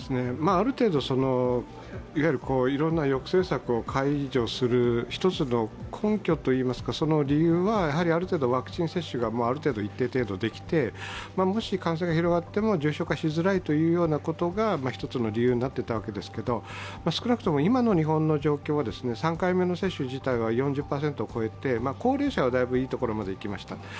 ある程度いろんな抑制策を解除する一つの根拠といいますかその理由はある程度、ワクチン接種が一定程度できてもし感染が広がっても重症化しづらいというようなことが一つの理由になっていたわけですけど少なくとも今の日本の状況は３回目の接種自体は４０％を超えて高齢者はだいぶいいところまでいきました。